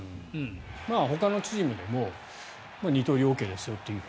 ほかのチームでも二刀流ＯＫですよという。